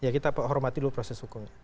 ya kita hormati dulu proses hukumnya